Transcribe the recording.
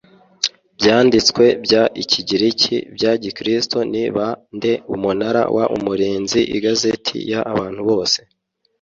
Byanditswe by Ikigiriki bya Gikristo ni ba nde Umunara w Umurinzi Igazeti y abantu bose